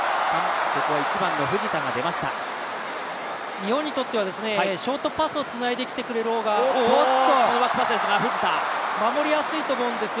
日本にとっては、ショートパスをつないでくれた方が守りやすいと思うんですよ。